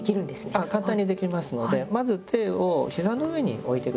あっ簡単にできますのでまず手を膝の上に置いて下さい。